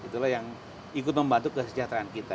itulah yang ikut membantu kesejahteraan kita